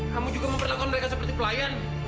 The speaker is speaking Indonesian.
kamu juga memperlakukan mereka seperti pelayan